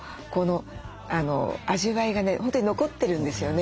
本当に残ってるんですよね